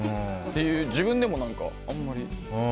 自分でも、あんまり。